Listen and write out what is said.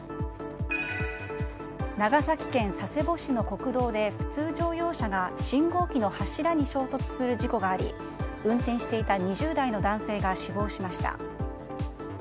長崎県佐世保市の国道で普通乗用車が信号機の柱に衝突する事故があり運転していた２０代の男性が死亡しました。